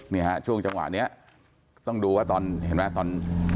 นี่ฮะช่วงจังหวะนี้ต้องดูว่าตอนเห็นไหมตอน